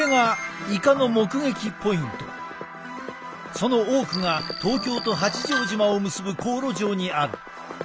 その多くが東京と八丈島を結ぶ航路上にある。